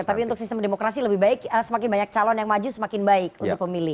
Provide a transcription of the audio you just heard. tapi untuk sistem demokrasi lebih baik semakin banyak calon yang maju semakin baik untuk pemilih